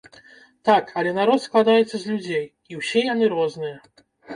Так, але народ складаецца з людзей, і ўсе яны розныя.